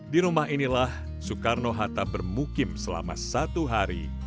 di rumah inilah soekarno hatta bermukim selama satu hari